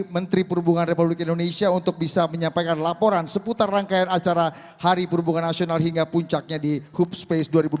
menteri perhubungan republik indonesia untuk bisa menyampaikan laporan seputar rangkaian acara hari perhubungan nasional hingga puncaknya di hub space dua ribu dua puluh